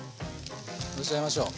のせちゃいましょう。